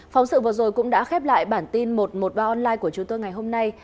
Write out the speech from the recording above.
phóng sự vừa rồi cũng đã khép lại bản tin một trăm một mươi ba online của chúng tôi ngày hôm nay